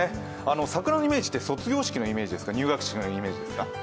桜のイメージは卒業式のイメージですか、入学式のイメージですか？